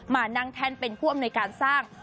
มานั่งแท่นเป็นผู้อำนวยการสร้าง